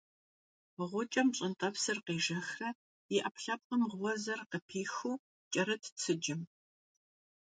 Гъукӏэм пщӏантӏэпсыр къежэхрэ и ӏэпкълъэпкъым гъуэзыр къыпихыу кӏэрытт сыджым.